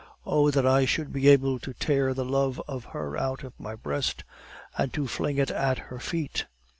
Oh, that I should be unable to tear the love of her out of my breast and to fling it at her feet!